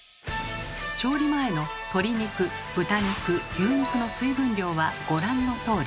調理前の鶏肉豚肉牛肉の水分量はご覧のとおり。